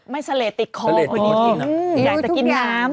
ไม่เสลติกคง